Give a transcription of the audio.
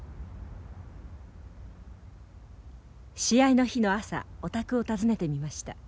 試合の日の朝お宅を訪ねてみました。